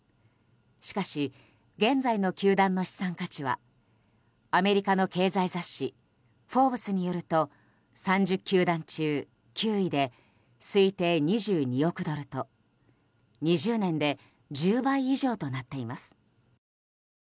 しかし現在の球団の資産価値はアメリカの経済雑誌「フォーブス」によると３０球団中９位で推定２２億ドルと２０年で１０倍以上となっています。